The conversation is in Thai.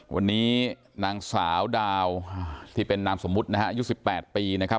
วันนี้นางสาวดาวที่เป็นนามสมมุตินะครับยุคสิบแปดปีนะครับ